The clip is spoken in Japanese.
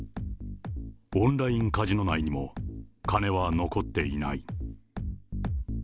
オンラインカジノ内にも金は残っていない。